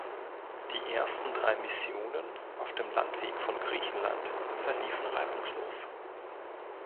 Die ersten drei Missionen, auf dem Landweg von Griechenland, verliefen reibungslos.